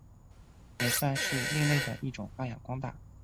也算是另类的一种发扬光大。